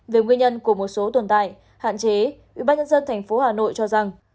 về nguyên nhân của một số tồn tại hạn chế ubnd tp hà nội cho rằng